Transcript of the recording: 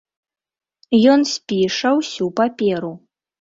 Ён спіша ўсю паперу.